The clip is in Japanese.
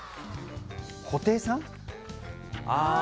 布袋さん。